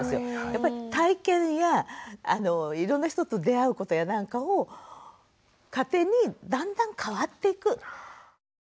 やっぱり体験やいろんな人と出会うことやなんかを糧にだんだん変わっていく。